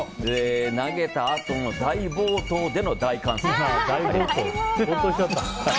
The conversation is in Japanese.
投げたあと、大暴投での大歓声。